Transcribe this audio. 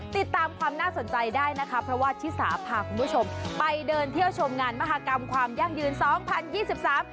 ติดตามความน่าสนใจได้นะคะเพราะว่าชิสาพาคุณผู้ชมไปเดินเที่ยวชมงานมหากรรมความยั่งยืนสองพันยี่สิบสาม